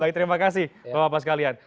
baik terima kasih bapak bapak sekalian